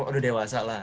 udah dewasa lah